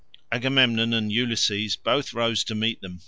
Agamemnon and Ulysses both rose to meet them.